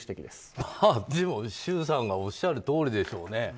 でも周さんがおっしゃるとおりでしょうね。